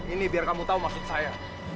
ini biar kamu tahu maksud saya